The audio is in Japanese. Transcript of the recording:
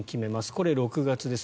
これ、６月です。